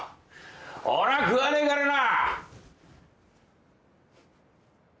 俺は食わねえからな！